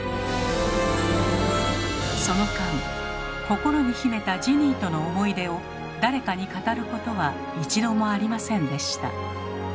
その間心に秘めたジニーとの思い出を誰かに語ることは一度もありませんでした。